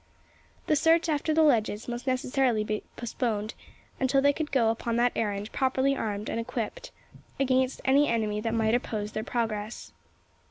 The search after the ledges must necessarily be postponed; until they could go upon that errand properly armed and equipped, against any enemy that might oppose their progress.